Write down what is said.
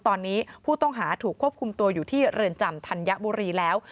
ตอนนี้ผู้ต้องหาถูกควบคุมตัวอยู่ที่เรือนจำธัญบุรีแล้ว